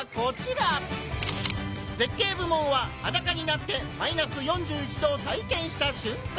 「絶景部門」は裸になって−４１度を体験した瞬間！